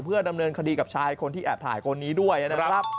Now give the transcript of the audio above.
เพื่อดำเนินคดีกับชายคนที่แอบถ่ายคนนี้ด้วยนะครับ